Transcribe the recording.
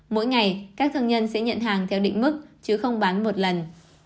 mỗi ngày các thương nhân sẽ nhận hàng theo định mức chứ không bán một lần